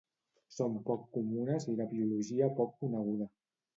Són poc comunes i de biologia poc coneguda.